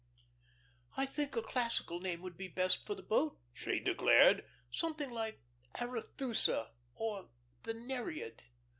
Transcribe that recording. "I think a classical name would be best for the boat," she declared. "Something like 'Arethusa' or 'The Nereid.'"